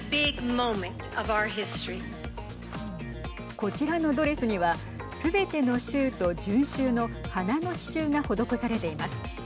こちらのドレスにはすべての州と準州の花の刺しゅうが施されています。